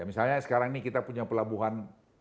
misalnya sekarang ini kita punya pelabuhan